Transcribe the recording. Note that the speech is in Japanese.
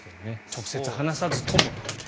直接話さずとも。